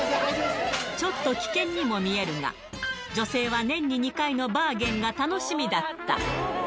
ちょっと危険にも見えるが、女性は年に２回のバーゲンが楽しみだった。